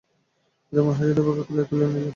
বিল্বন হাসিয়া ধ্রুবকে কোলে তুলিয়া লইলেন।